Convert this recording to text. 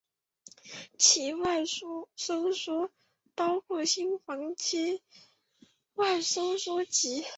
期外收缩包括心房期外收缩及。